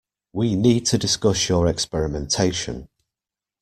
We need to discuss your experimentation.